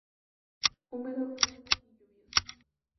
Húmedo, cálido y lluvioso.